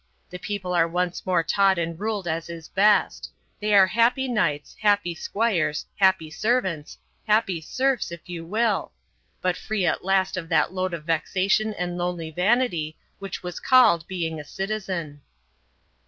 The people are once more taught and ruled as is best; they are happy knights, happy squires, happy servants, happy serfs, if you will; but free at last of that load of vexation and lonely vanity which was called being a citizen."